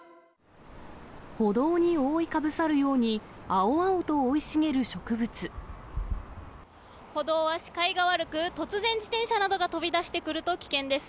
歩道に覆いかぶさるように、歩道は視界が悪く、突然、自転車などが飛び出してくると、危険です。